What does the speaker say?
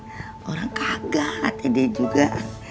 tuh kan orang kagak tadi juga